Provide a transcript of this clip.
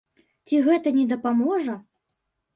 Ці гэта не дапаможа?